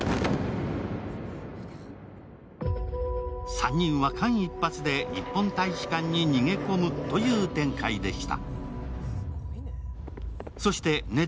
３人は間一髪で日本大使館に逃げ込むという展開でした。